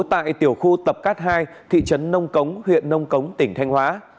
tại tiểu khu tập cát hai thị trấn nông cống huyện nông cống tỉnh thanh hóa